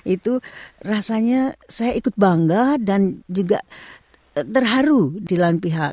itu rasanya saya ikut bangga dan juga terharu di lain pihak